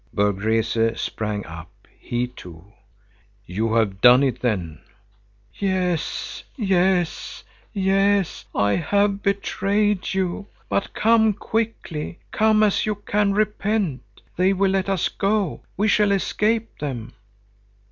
Berg Rese sprang up, he too. "You have done it, then—" "Yes, yes, yes! I have betrayed you! But come quickly! Come, as you can repent! They will let us go. We shall escape them!"